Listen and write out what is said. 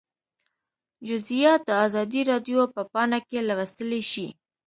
جزییات د ازادي راډیو په پاڼه کې لوستلی شئ